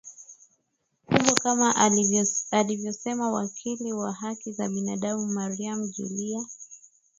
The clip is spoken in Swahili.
kubwa kama alivyosema wakili wa haki za binadamu Maria Julia